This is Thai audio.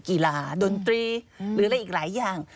กีฬาดนตรีหรืออะไรอีกหลายอย่าง